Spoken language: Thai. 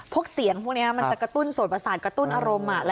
พวกเสียงพวกนี้มันจะกระตุ้นโสดประสาทกระตุ้นอารมณ์